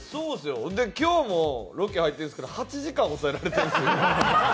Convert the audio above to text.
今日もロケは行ってるんですけど８時間、抑えられてるんですよ。